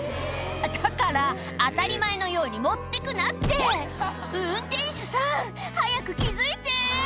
だから当たり前のように持ってくなって運転手さん早く気付いて！